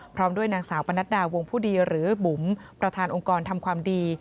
พร้อมด้วยนางสาวปนัดดาวงผู้ดีหรือบุ๋มประธานองค์กรทำความดี